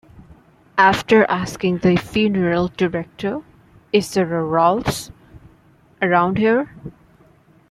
After asking the funeral director, Is there a Ralphs around here?